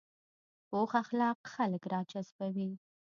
پوخ اخلاق خلک راجذبوي